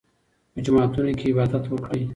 په جوماتونو کې عبادت وکړئ.